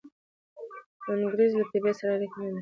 انګریز له طبیعت سره اړیکه نلري.